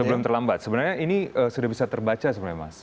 sebelum terlambat sebenarnya ini sudah bisa terbaca sebenarnya mas